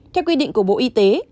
theo quy định của bộ y tế